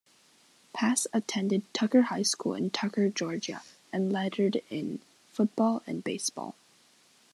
Pass attended Tucker High School in Tucker, Georgia and lettered in football and baseball.